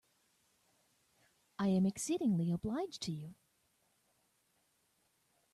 I am exceedingly obliged to you.